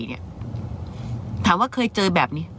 ถามว่าเคยเจอแบบนี้